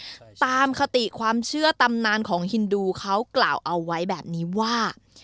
อืมตามคติความเชื่อตำนานของฮินดูเขากล่าวเอาไว้แบบนี้ว่า